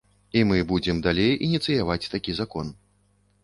І мы будзе далей ініцыяваць такі закон.